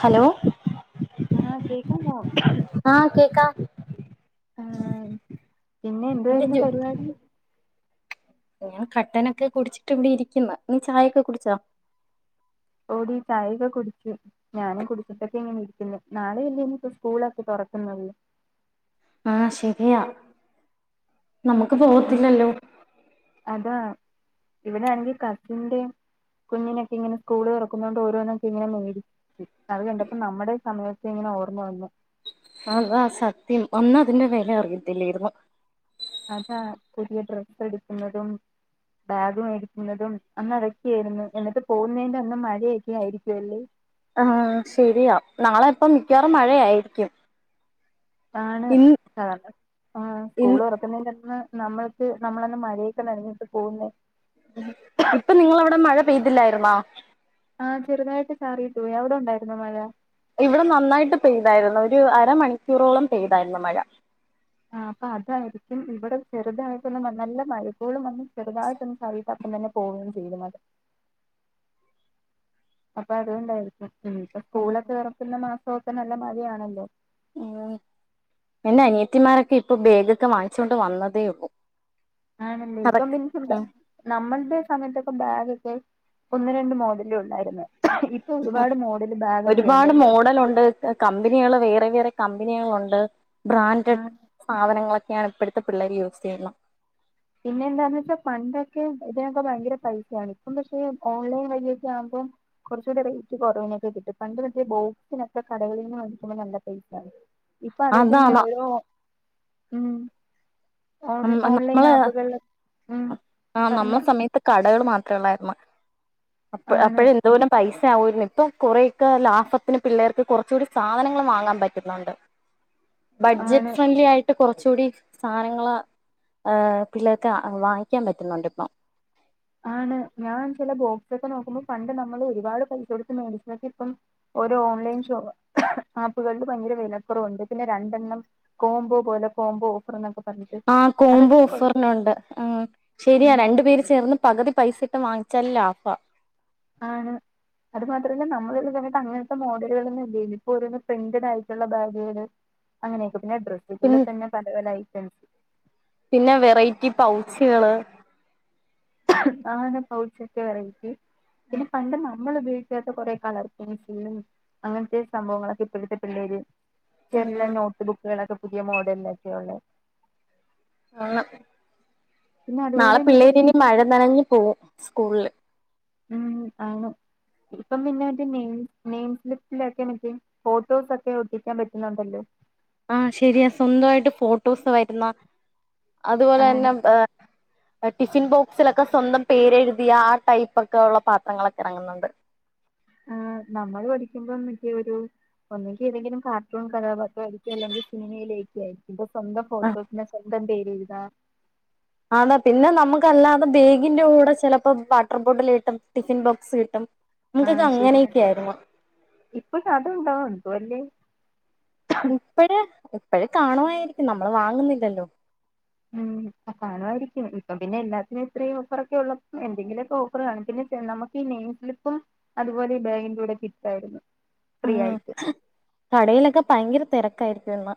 Hello ആഹ് കേക്കുന്നു ആ കേക്കാ ആ പിന്നെ എന്ത് വരുന്നു പരിപാടി ഞൻ കട്ടനൊക്കെ കുടിച്ചിട്ട് ഇവിടെ ഇരിക്കുന്ന നീ ചായൊക്കെ കുടിച്ചോ ഓടി ചായൊക്കെ കുടിച്ചു ഞാനും കുടിച്ചിട്ടൊക്കെ ഇങ്ങനെ ഇരിക്കുന്നു നാളെ അല്ലെനിപ്പോ സ്കൂളൊക്കെ തുറ [unintelligible] ആ ശരിയാ നമുക്ക് ആഹ് പോവത്തില്ലല്ലോ അതാ ഇവിടെ ആണെങ്കിൽ കസിൻ്റെ കുഞ്ഞിനൊക്കെ ഇങ്ങനെ സ്കൂള് തുറക്കുന്ന കൊണ്ട് ഓരോന്നൊക്കെ ഇങ്ങനെ മേടിച്ചു അത് കണ്ടപ്പോ നമ്മുടെ സമയത്ത് ഓർമ്മ വന്ന് അതാ സത്യം ഒന്ന് അതിന്റെ വില അറിയത്തില്ലാരുന്നു അതാ പുതിയ ഡ്രെസ്സ് എടുക്കുന്നതും ബാഗ് മേടിക്കുന്നതും അന്നതക്കയായിരുന്നു എന്നിട്ട് പോകുന്നതിന്റെ അന്ന് മഴയൊക്കെ ആയിരിക്കുവല്ലേ ആ ശരിയാ നാളെ ഇപ്പ മിക്കവാറും മഴയായിരിക്കും ആണ് ഇൻ സധാരണ ഇൻ സ്കൂള് തുറക്കുന്നതിന്റെ അന്ന് നമ്മൾക്ക് നമ്മളന്ന് മഴയൊക്കെ നന്ഞ്ഞിട്ട് പോകുന്നേ ഇപ്പൊ നിങ്ങളവിടെ മഴ [unintelligible] ആഹ് ചെറുതായിട്ട് ചാറീട്ടു പോയിഎവിടെ ഉണ്ടായിരുന്നോ മഴ ഇവിടെ നന്നായിട്ട് പെയ്തായിരുന്നു ഒരു അരമണിക്കൂറോളം പെയ്തായിരുന്നു മഴ ആ അപ്പ അതായിരിക്കും ഇവിടെ ചെറുതായിട്ടൊന്നും നല്ല മഴക്കോളും വന്നും ചെറുതായിട്ടൊന്നു പ അപ്പം തന്നെ പോവുകയും ചെയ്തു മഴ അത് അപ്പൊ അതുകൊണ്ടായിരിക്കും ഉം ഇപ്പ സ്കൂളൊക്കെ തുറക്കുന്ന മാസക്കെ നല്ല മഴയാണല്ലോ ഉ എന്റെ അനിയത്തിമാരൊക്കെ ഇപ്പൊ ബേഗൊക്കെ വാങ്ങിച്ച് കൊണ്ട് വന്നതേ ഉള്ളൂ ആണല്ലേ ഇപ്പൊ കറക് പിന്നെന്ത ആ നമ്മളുടെ സമയത്തൊക്കെ ബാഗ് ഒക്കെ ഒന്ന് രണ്ട് മോഡലെ ഉണ്ടായിരുന്നുള്ളൂ ഒരുപാട് ഉണ്ടല്ലേ മോഡല് ഉണ്ട് കമ്പനികള് വേറെ വേറെ കമ്പനികളുണ്ട് ബ്രാൻഡഡ് ആഹ് സാധനങ്ങളൊക്കെയാണ് ഇപ്പോഴത്തെ പിള്ളേര് യൂസ് ചെയ്യുന്നത് പിന്നെ എന്താന്ന് വച്ചാ പണ്ടൊക്കെ ഇതിനൊക്കെ ഭയങ്കര പൈസയാണ് ഇപ്പം പക്ഷെ ഓൺലൈൻ വഴിയൊക്കെ ആവുമ്പോ കുറച്ച കൂടെ റേറ്റ് കുറവിനൊക്കെ കിട്ടും പണ്ട് മറ്റേ ബോക്സിനൊക്കെ കടകള നിന്ന് വിക്കുമ്പോൾ നല്ല പൈസ ആണ് ഇപ്പൊ അതൊക്കെ എങ്ങനെ അതാതാ ഓരോ ഉം ഓൺ ഓൺലൈൻ നമ്മള ആപ്പുകളിൽ ഉം ആ നമ്മുടെ പറഞ്ഞോ സമയത്ത് കടകൾ മാത്ര ഉള്ള [unintelligible] ആണ് അപ്പോഴ എന്ത പോലെ പൈസ [unintelligible] ഇപ്പൊ കുറയൊക്കെ ലാഭത്തിന് പിള്ളേർക്ക് കുറച്ച കൂടി സാധനങ്ങൾ വാങ്ങാൻ പറ്റുന്നുണ്ട് ആണ് ബഡ്ജറ്റ് ഫ്രണ്ട്ലി ആയിട്ട് കുറച്ച കൂടി സാധനങ്ങളാ ആ പിള്ളേർക്ക് വാങ്ങിക്കാൻ പറ്റുന്നുണ്ട് ഇപ്പൊ ആണ് ഞാൻ ചില ബോക്സൊക്കെ നോക്കുമ്പോൾ പണ്ട് നമ്മള് ഒരുപാട് പൈസ കൊടുത്ത് മേടിച്ചൊക്കെപ്പം ഓരോ ഓൺലൈൻ ഷോ ആപ്പുകളിൽ ഭയങ്കര വിലക്കുറവുണ്ട് പിന്നെ രണ്ടെണ്ണം കോംബോ പോലെ കോമ്പോ ഓഫർന്നൊക്കെ ആ കോമ്പോ ഓഫറിനുണ്ട് ശരിയാ രണ്ടു പേര് ചേർന്ന് പകുതി പൈസ ഇട്ട് വാങ്ങിച്ചാല ലാ ഭാ ആണ് അത് മാത്രല്ല നമ്മള [unintelligible] അങ്ങനത്തെ മോഡലുകളൾന്നല്ല ഇപ്പൊ ഒരു പ്രിന്റഡ് ആയിട്ടുള്ള ബാഗുകള് അങ്ങനെയൊക്കെ പിന്നെ ഡ്രസുകൾതന്നെ പല പല ഐറ്റംസ് പിന്നെ വെറൈറ്റി പൗച്ചികള് നെ പൗച്ചൊക്കെ വെറൈററ്റി പിന്നെ പണ്ട് നാള നമ്മൾ ഉപയഴിക്കാത്ത കുറെ കളർ പെൻസിലും അങ്ങനത്തെ സംഭവങ്ങളൊക്കെ ഇപ്പോഴത്തെ പിള്ളേര് ചെറിയ നോട്ട് ബുക്കുകളൊക്കെ പുതിയ മോഡലൊക്കെയ ഉള്ളത് ആ പിന്നെ അതുപോലെ നാളെ തന്നെ ഇപ്പം പിള്ളേരി മഴ നനഞ് പോവും സ്കൂളില് ഉം ആണ്. ഇപ്പം പിന്നെ മറ്റേ നെയിം നെയിം സ്ലിപ്പിലൊക്കെ മറ്റേ ഫോട്ടോസൊക്കെ ഒട്ടിക്കാൻ പറ്റ്ന്നുണ്ടല്ലോ ആ ശരിയാ സ്വന്തവായിട്ട് ഫോട്ടോസ് വര്ന്ന അത്പോലെ ആണ് തന്നെ ടിഫിൻ ബോക്സിലൊക്കെ സ്വന്തം പേരെഴുതിയ ആ ടൈപ്പ് ഒക്കെ ഒള്ള പാത്രങ്ങളൊക്കെ എറങ്ങുന്ന്ണ്ട്. ആ നമ്മള് പഠിക്കുമ്പോ മറ്റേ ഒരു ഒന്നെങ്കീ ഏതെങ്കിലും കാർട്ടൂൺ കഥാപാത്രമായിരിക്കും അല്ലെങ്കീ സിനിമയിലേക്ക് ആയിരിക്കും. സ്വന്തം ഫോട്ടോ, ആഹ് പിന്നെ സ്വന്തം പേരെഴ്താ അന്നാ പിന്നെ നമുക്കല്ലാതെ ബേഗിന്റെ കൂടെ ചെലപ്പോ വാട്ടർ ബോട്ടില് കിട്ടും, ടിഫിൻ ബോക്സ് കിട്ടും ആ നമുക്കൊക്കെ ശരിയ, അങ്ങനെയൊക്കെ ആയിരുന്നു ഇപ്പൊക്കത്ണ്ടോ എന്തു അല്ലേ ഇപ്പഴ് ഇപ്പഴ് കാണുവാരിക്കും, നമ്മള് വാങ്ങുന്നില്ലല്ലോ. ഉം കാണുവായിരിക്കും, ഇപ്പൊ പിന്നെ എല്ലാത്തിനും ഇത്രയും ഓഫറൊക്കെ ഉള്ളപ്പോ എന്തെങ്കിലൊക്കെ ഓഫറ് കാണും പിന്ന നമുക്ക് ഈ നെയിം സ്ലിപ്പും അതുപോലെ ഈ ബാഗിന്റൂടെ കിട്ടുവായിര്ന്ന് ഉം, കടയിലൊക്കെ ഭയങ്കര തിരക്കായിരിക്കും ഇന്ന്.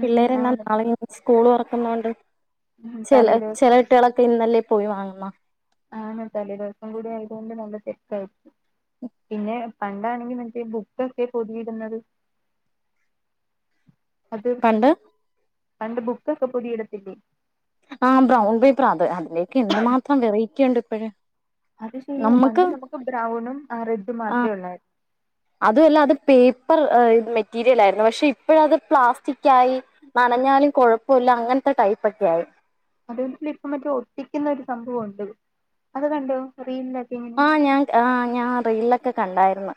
ഉം ആണ് നാളെ സ്കൂള് തൊറക്കുന്നോണ്ട് ഉം തലേ ചെല ദിവസം ചെല കുട്ട്യേളൊക്കെ ഇന്നല്ലേ പോയി വാങ്ങുന്ന ആണ് തലേ ദിവസം കൂടി ആയതോണ്ട് നല്ല തെരക്കായിരിക്കും. പിന്നെ പണ്ടാണെങ്കി മറ്റേ ബുക്കൊക്കെ പൊതിയിട്ന്നത് പണ്ട്? പണ്ട് ബുക്കൊക്കെ പൊതിയിടത്തില്ലേ ആ ബ്രൗൺ പേപ്പർ, അത് അതിലേക്ക് എന്തു മാത്രം വെറൈറ്റി ഒണ്ട് ഇപ്പഴ് അത് ശരിയാ പണ്ട് നമ്മക്ക് ബ്രൗണും ആ റെഡും മാത്രേ ഒള്ളായ് അതുവല്ല അത് പേപ്പർ മെറ്റീരിയലായിർന്ന് പക്ഷെ ഇപ്പോഴത് പ്ലാസ്റ്റിക്കായി ഞ്ഞാലും കുഴപ്പവില്ല അങ്ങൻത്തെ ടൈപ്പൊക്കെയായി അതോണ്ട് ഇപ്പം മറ്റേ ഒട്ടിക്കുന്ന ഒരു സംഭവൊണ്ട് അത് കണ്ടോ റീലി ആ ഞാൻ ആ ഞാൻ റീൽലൊക്കെ കണ്ടായിര്ന്ന്.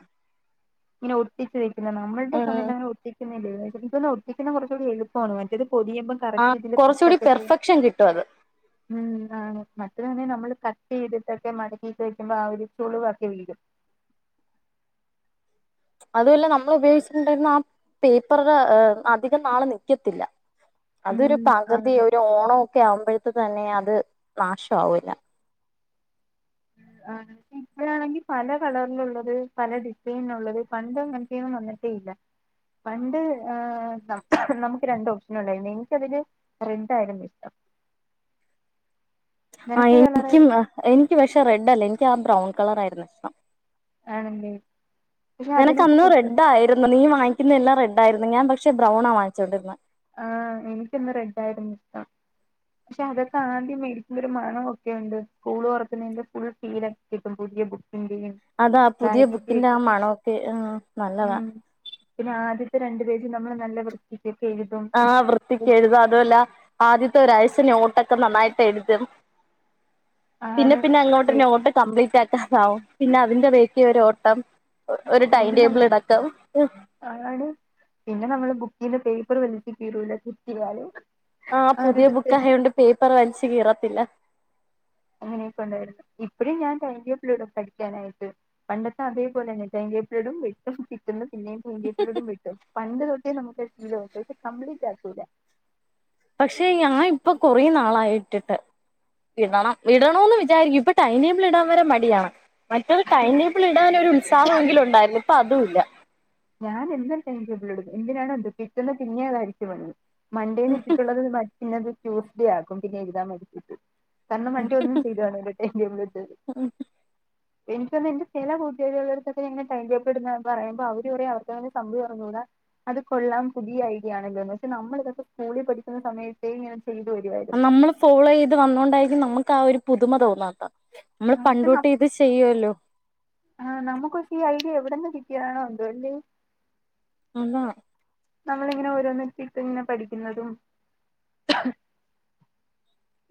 ഇങ്ങനെ ഒട്ടിച്ച് വെയ്ക്കുന്ന നമ്മൾടെ സമയത്തങ്ങനെ ഒട്ടിക്കുന്നില്ല ഇപ്പ ഒട്ടിക്കുന്ന കൊറച്ചൂടി എളുപ്പാണ് മറ്റെത് ആ കൊറച്ചൂടി പെർഫെക്ഷൻ കിട്ടും അത് ഉം ആണ്, മറ്റതാണെ നമ്മള് കട്ട് ചെയ്തിട്ടൊക്കെ മടക്കിട്ട് വെക്കുമ്പോ ആ ഒരു ചുളിവൊക്കെ വീഴും. അതുവല്ല നമ്മൾ ഉപയോഗിച്ചിട്ടിണ്ടായിർന്ന ആ പേപ്പററ് അധികം നാള് നിക്കത്തില്ല ഉം അതൊരു ആണ് പകുതി ഒരു ഓണവൊക്കെ ആവുമ്പോഴത്തെക്ക് തന്നെ അത് നാശാവൂല ആ ഇപ്പഴാണെങ്കീ പല കളറിൽ ഉള്ളത് പല ഡിസൈനൊള്ളത് പണ്ട് എങ്ങനത്തെയൊന്നും വന്നിട്ടേ ല പണ്ട് നമ്മുക്ക് രണ്ട് ഓപ്ഷനുണ്ടായിന്നു എനിക്കതില് റെഡ്ഡായിരുന്നിഷ്ടം. ആ നിനക്കേത് എനിക്കും കളറായിരുന്നു എനിക്ക് പക്ഷെ റെഡല്ല എനിക്ക് ആ ബ്രൗൺ കളറായിരു ഇഷ്ടം. ആണല്ലേ പക്ഷെ അതിനൊക്കെ നെനക്കന്ന് ഫുഡ് റെഡായിര്ന്ന് നീ വാങ്ങി ഇന്ന് എല്ലാം റെഡായിര്ന്ന് ഞാൻ പക്ഷെ ബ്രൗണാ വാങ്ങിച്ചോണ്ടിരുന്നേ ആ എനിക്കന്ന് റെഡായിരുന്നിഷ്ടം. പക്ഷെ അതൊക്ക ആദ്യം മേടിക്കുമ്പൊരു മണവൊക്കെയുണ്ട് സ്കൂൾ തൊറക്കുന്നതിന്റെ ഫുൾ ഫീൽ ഒക്കെ കിട്ടും പുതിയ ബ അതാ പുതിയ ബുക്കിന്റെ ആ ബാഗിന്റെയൊക്കെ മണമൊക്കെ നല്ലതാ ഉം പിന്നെ ആദ്യം രണ്ട് പേജ് നമ്മള് നല്ല വൃത്തിക്കൊക്കെ എഴുതും ആ വൃത്തിക്കെഴുത അതുവല്ല ആദ്യത്തെ ഒരാഴ്ച നോട്ടൊക്കെ നന്നായിട്ട് എഴുതും പിന്നെ ആണ് പിന്നെ അങ്ങോട്ട് നോട്ട് കംപ്ലീറ്റ് ആക പിന്നെ അതിന്റെ റേറ്റീ ഒര് ഓട്ടം ഒരു ടൈം പിന്നെ ടേബിൾ നമ്മൾ ഇടക്കം ആണ് പിന്നെ നമ്മള് ബുക്ക് പിന്നെ പേപ്പറ് വലിച്ച് കീറൂലേ കുറ്റി ആ പുതിയ ബുക്കായയോണ്ട് പേപ്പർ വലിച്ചു കീറത്തില്ല അങ്ങനെയൊക്കെ ഉണ്ടായിരുന്നു ഇപ്പഴും ഞാൻ ടൈംടേബിൾ ഇടും പഠിക്കാനായിട്ട് പണ്ടത്തെ അതേപോലെ തന്നെ ഇപ്പോളും ഇടും പിന്നെയും ടൈംടേബിളിടും പണ്ട് തൊട്ടെ നമ്മുക്കൊരു ശീലണ്ട് കംപ്ലീറ്റ് ആക്കൂല പക്ഷെ ഞാൻ ഇപ്പൊ കൊറ നാളായിട്ടിട്ട് ഇടണം വിടണന്ന് വിചാരിക്കും ഇപ്പൊ ടൈടേബിളിടാൻ വരെ മടിയാണ് മറ്റൊരു ടൈടേബിൾ ഇടാനൊരു ഉത്സാഹമെങ്കിലും ഉണ്ടായിരുന്നു ഇപ്പൊ അതുംല്ല ഞാൻ എന്നും ടൈടേബിളിടും എന്തിനാണോ എന്തോ പിറ്റേന്ന് പിന്നേം അയ്ച്ച്പണിയും മൺഡേന്ന് ഇട്ടിട്ടുള്ളത് പിന്നെത് ട്യൂസ്ഡേ ആക്കും പിന്നെ എഴുതാന് മടിചിട്ട് കാരണം മൺഡേ ഒന്നും ചെയ്തുകാണൂല ടൈടേബിളിട്ടിട്ട് എനിക്ക് എന്റെ ചില കൂട്ടുകാരികളോടൊക്കെ ടൈംടേബിൾ ഇടുന്നത് പറയുമ്പോ അവര് അവർ പറയും അവർക്കങ്ങനെ സംഭവേ അറിഞ്ഞൂടാ അത് കൊള്ളാം പുതിയ ഐഡിയാണ്ല്ലോന്ന് പക്ഷെ നമ്മള് ഇതൊക്കെ സ്കൂളിൽ പഠിക്കുന്ന സമയത്തെ ഇങ്ങനെ ചെയ്തു വരുവായിരുന്നു നമ്മള് ഫോളോ ചെയ്ത് വന്നോണ്ടായിരിക്കും നമ്മുക്ക് ആ ഒരു പുതുമ തോന്നാത്തെ നമ്മള് പണ്ടൂട്ടെ ഇത് ചെയ്യുവല്ലോ നമുക്കൊക്കെ ഈ ഐഡിയ എവിടെന്ന് കിട്ടിയതാണോ എന്തോലെ അല്ല നമ്മള് ഇങ്ങനെ ഓരോന്നിടുത്തിട്ട് ഇങ്ങനെ പഠിക്കുന്നതും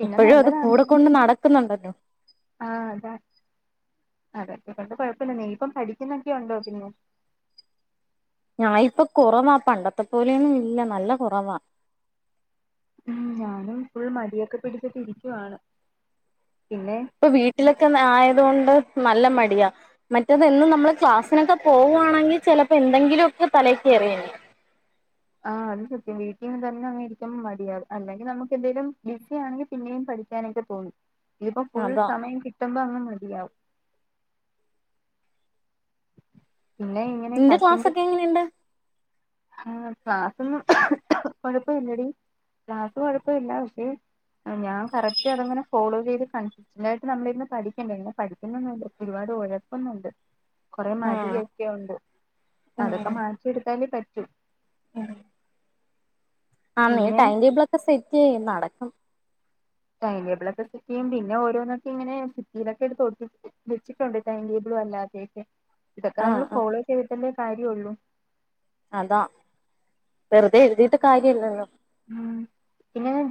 പിന്നെ ഇപ്പോഴും അത് കൂടെ കൊണ്ട് നടക്കുന്നുണ്ടല്ലോ ആ അതാ അതൊക്കെ കൊണ്ട് കൊഴപ്പില്ല നീയിപ്പം പഠിക്കുന്നൊക്കെയ ഉണ്ടോ പിന്നെ, ആ ഇപ്പൊ കുറവാ പണ്ടത്തെ പോലെയന്നും ഇല്ല നല്ല കുറവാ ഉം ഞാനും ഫുൾ മടിയൊക്കെ പിടിച്ചിട്ട് ഇരിക്കുവാണ് പിന്നെ ഇപ്പൊ ആ വീട്ടിലൊക്കെ ആയതുകൊണ്ട് നല്ല മടിയാ മറ്റത് എന്നും നമ്മൾ ക്ലാസ്സിനൊക്കെ പോകുവാണെങ്കിൽ ചിലപ്പോ എന്തെങ്കിലും ഒക്കെ തലക്ക് കേറിയേനെ ആഹ് അത് സത്യം വീട്ടിൽ നിന്ന് തന്നെ ഇരിക്കുമ്പോ മടിയാവും അല്ലെങ്കിൽ നമ്മുക്ക് എന്തേലും ബിസി ആണെങ്കിൽ പിന്നെയും പഠിക്കാനൊക്കെ തോന്നും ഇതിപ്പോ ഫുൾ അതാ സമയം കിട്ടുമ്പോ അങ്ങ് മടിയാവും പിന്നെ ഇങ്ങനെ നിന്റെ ക്ലാസ്സൊക്കെ എങ്ങനെയുണ്ട് ആ ക്ലാസൊന്നും കൊഴപ്പല്ലടി ക്ലാസ് കൊഴപ്പല്ല പക്ഷേ ഞാൻ കറക്റ്റ് അത്ങ്ങനെ ഫോളോ ചെയ്ത് കൺസിസ്ന്റായിട്ട് നമ്മളിന്ന് പഠിക്കണ്ടെ പഠിക്കുന്നൊന്നൂല്ല, ഒരുപാട് ഉഴപ്പുന്നുണ്ട് കുറെ ആഹ് മടിയൊക്കെ ഉണ്ട് അതൊക്കെ മാറ്റിയെടുത്താലേ പറ്റൂ ഉം ആ നീ പിന്നെ ടൈം ടേബിൾ ഒക്കെ സെറ്റ് ചെയ്യ് നടക്കും ടൈം ടേബിളൊക്കെ സെറ്റ് ചെയും പിന്നെ ഓരോന്നക്കെ ഇങ്ങനെ ബിത്തിയിലൊക്കെ ഒട്ടിച്ച് വെച്ചിട്ടുണ്ട് ടൈ ടേബിൾ ല്ലാത, ഇതൊക്കെ നമ്മൾ ആഹ് ആഹ് ഫോളോ ചെയ്ട്ടല്ലേ കാര്യള്ളു അതാ വെറുതെ എഴുതിയിട്ട് കാര്യല്ലല്ലോ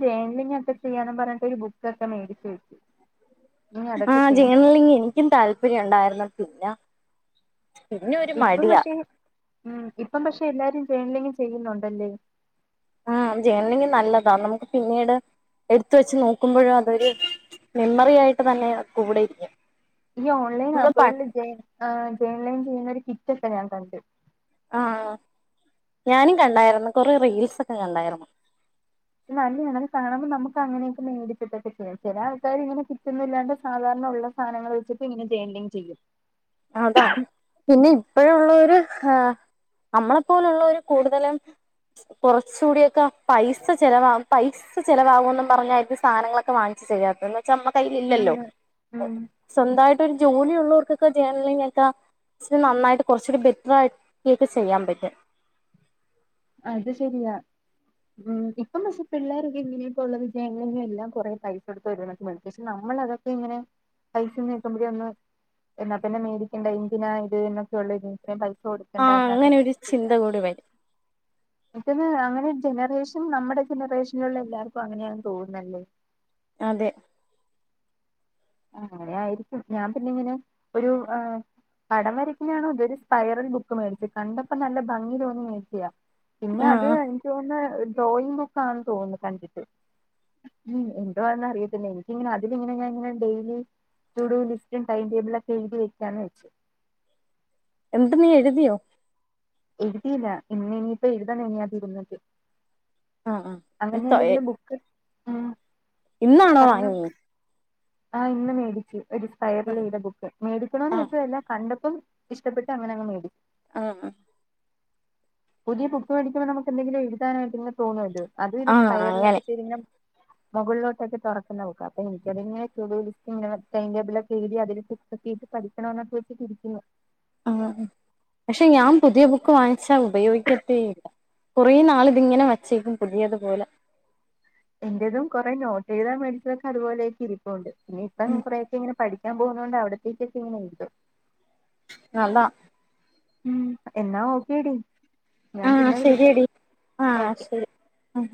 സ്റ്റാമിനി ഒക്കെ ചെയ്യണന്ന് പറഞ്ഞിട്ട് ഒരു ബുക്കൊക്കെ മേടിച്ചു വെച്ചു ഇനി ആ അതൊക്കെ ചെയ്യണം ചെയ്യണില്ലെങ്കിൽ എനിക്കും താല്പര്യം ഉണ്ടായിരുന്നു പിന്നെ പിന്നെ ഒരു ഇപ്പം മടിയാ പക്ഷെ ഉം ഇപ്പം പക്ഷെ എല്ലാരും ചെയ്യണല്ലെങ്കി ചെയ്യുന്നുണ്ടല്ലേ ആ ജെർണ്ലിങ് നല്ലതാ നമുക്ക് പിന്നീട് എടുത്ത വെച്ച് നോക്കുമ്പോഴും അതൊരു മെമ്മറിയയിട്ട് തന്നെ കൂടെ ഇരിക്കും ഈ ഓൺലൈൻ നമ്മള് പ ആപ്പുകളില് ജെൺലൈൻ ചെയ്യുന്ന ഒരു കിറ്റ് ഒക്കെ ഞാൻ കണ്ട് ആ ഞാനും കണ്ടായിരുന്നു കൊറെ റീൽസൊക്കെ കണ്ടായിരുന്നു നല്ലതാണെ കാണുമ്പോൾ നമുക്ക് അങ്ങനെയൊക്കെ മേടിച്ചിട്ടൊക്കെ ചെയ്യാം ചില ആൾക്കാർ ഇങ്ങനെ കിറ്റൊന്നില്ലാ സാധാരണ ഉള്ള സാനങ്ങൾ വെച്ചിട്ട് ഇങ്ങനെജേർണൽ ചെയ്യും അതാ പിന്നെ ഇപ്പോഴോള്ളൊരു നമ്മളെപ്പോലുള്ളോർ കൂടുതലും കുറച്ചുകൂടൊക്കെ പൈസ ചിലവാ പൈസ ചെിലവാകും പറഞ്ഞായിരുന്നു സാധനങ്ങളൊക്കെ വാങ്ങിക്ക ചെയ്യത്തന്ന് വച്ച നമ്മ കയ്യിൽ ഇല്ലല്ലോ ആണ് ഉം സ്വന്തമായിട്ട് ഒരു ജോലിയ ഉള്ളവർക്ക് ജെണലിങൊക്കേ നന്നായിട്ട് കുറച്ചുകൂടി ബെറ്റർ ആയിട്ട ഒക്കെ ചെയ്യാൻ പറ്റും അത് ശരിയാ ഉം ഇപ്പം പക്ഷെ പിള്ളോരൊക്കെ ഇങ്ങനെയൊക്കെ ഉള്ള വിജയങ്ങളും എല്ലാം കൊറെ പൈസ കൊടുത്ത് വര എന്നൊക്കെ [unintelligible] നമ്മൾതൊക്കെ ഇങ്ങനെ പൈസന്ന് നോക്കുമ്പോഴെ ഒന്ന് എന്നാ പിന്നെ മേടിക്കണ്ട എന്തിനാ ഇത് എന്നൊക്കെയ ഉള്ളൂ ഇത് ഇ ആ അങ്ങനെ ഒരു ചിന്ത കൂടി വരും ഇപ്പൊത് അങ്ങനെ ജനറേഷൻ നമ്മുടെ ജനറേഷനിലുള്ള എല്ലാർക്കും അങ്ങനെയെന്ന് തോന്നുന്നല്ലേ അതെ അങ്ങനെ ആയിരിക്കും ഞാൻ പിന്നെ ഇങ്ങനെ ഒരു ആ പടം വരക്കുന്നാണോ അതൊരു സ്പൈറൽ ബുക്ക് മേടിച്ചത് കണ്ടപ്പോ നല്ല ഭംഗി തോന്നി മേടിക്കിയ പിന്നെ അത് ആഹ് എനിക്ക് തോന്നുന്ന ഡ്രോയിങ് ബുക്കാന് തോന്നുന്നു കണ്ടിട്ട് ഉം എന്തവാന്ന് അറിയത്തില്ല എനിക്കിങ്ങനെ അതിലിങ്ങനെ ഞനെ ഡെയിലി സ്റ്റുഡോ ലിസ്റ്റും ടൈം ടേബിള ഒക്കെ എഴുതി വെക്കാന്ന് വെച്ചു എന്ത് നീ എഴുതിയോ എഴുതിയില്ല ഇന്ന ഇനിയിപ്പോ എഴുതണം ഇനി ഇരുന്നിട്ട് ആഹ് അങ്ങനെ ആഹ് എന്തെങ്കിലും ബുക്ക് ഉം ഇന്നാണോ പറഞ്ഞോ വാങ്ങിയെ ആ ഇന്ന് മേടിച്ചു ഒരു സ്പൈറൽ ചെയ്ത ബുക്ക് മേടിക്കണന്ന് ആഹ് വെച്ചല്ല കണ്ട ഇപ്പം ഇഷ്ടപ്പെട്ട് അങ്ങനെ അങ് മേടിച്ച് ആ പുതിയ ബുക്ക്‌ വെടിച്ചപ്പോ നമുക്ക് എന്തെിലും എഴുതാനായിട്ട് തോന്നുവല്ലോ അത് ഇത് ആഹ് സ്പയറൽൊക്കെ അങ്ങനെ ചെയ് [inaudible] മുകളിലോട്ടൊക്കെ തുറക്കുന്ന ബുക്കാ അപ്പൊ എനിക്കങ്ങന ടൈംടബി ഒക്കെ എഴ അതിൽട്ട് പഠിക്കണ എന്നക്ക വെച്ചിട്ടിരിക്കുന്നു ആ പക്ഷെ ഞാൻ പുതിയ ബുക്ക് വാങ്ങിച്ചാ ഉപയോഗിക്കത്തെ ഇല്ല്യ കുറേ നാൾ ഇതിങ്ങനെ വച്ചേക്കും പുതിയത് പോലെ എന്റതും കുറെ നോട്ട് എഴുതാൻ മേടിച്ചതൊക്ക അപോലെയക്ക ഇരുപ്പോണ്ട് ഇനി ഇപ്പ ഉം കുറേയ ക്കെ ഇ പഠിക്ക ഞാൻ പൊന്നോണ്ട് അവിടത്തേക്കക്കെ ഇങ്ങനെ എഴുത്തു അല്ല ഉം എന്നാ ഓക്കേടി ഞാൻ ആഹ് പിന്നെ വിളിക്കാം ശരിയടി ആഹ ഓക്കെ ശരി ആ